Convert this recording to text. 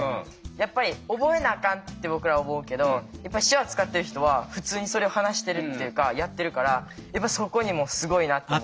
やっぱり覚えなあかんって僕ら思うけど手話使ってる人は普通にそれを話してるっていうかやってるからやっぱそこにもすごいなって思うし。